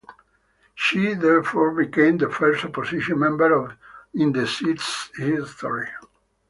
She therefore became the first opposition member in the seat's history.